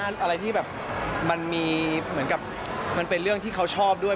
อะไรที่แบบมันมีเหมือนกับมันเป็นเรื่องที่เขาชอบด้วย